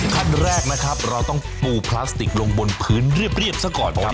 ขั้นแรกนะครับเราต้องปูพลาสติกลงบนพื้นเรียบซะก่อนครับ